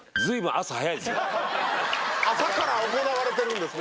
朝から行われてるんですね。